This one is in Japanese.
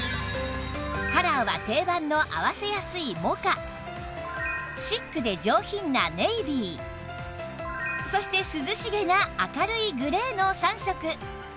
カラーは定番の合わせやすいモカシックで上品なネイビーそして涼しげな明るいグレーの３色